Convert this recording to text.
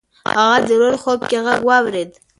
هغه د ورور خوب کې غږ واورېد.